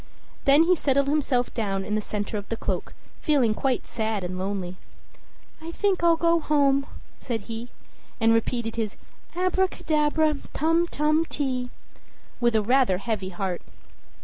Then he settled himself down in the center of the cloak, feeling quite sad and lonely. "I think I'll go home," said he, and repeated his "Abracadabra, tum tum ti!" with a rather heavy heart.